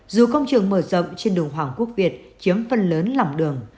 dù công trường mở rộng trên đường hoàng quốc việt chiếm phần lớn lòng đường